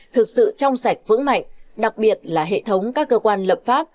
thực sự trong sạch vững mạnh đặc biệt là hệ thống các cơ quan lập pháp